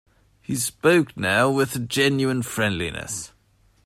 He spoke now with a genuine friendliness.